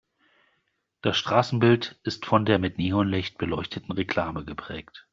Das Straßenbild ist von der mit Neonlicht beleuchteten Reklame geprägt.